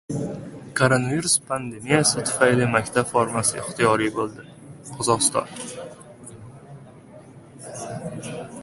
Koronavirus pandemiyasi tufayli maktab formasi ixtiyoriy bo‘ladi — Qozog‘iston